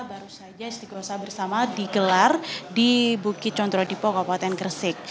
baru saja istiqosa bersama digelar di bukit condro dipo kabupaten gresik